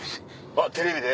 あっテレビで？